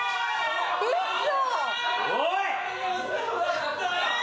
ウソ？